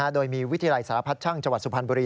โดยมีวิทยาลัยสารพัดช่างจังหวัดสุพรรณบุรี